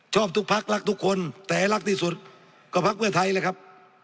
ชอบทุกภักดิ์รักทุกคนแต่รักที่สุดก็ภักดิ์เพื่อไทยเลยครับ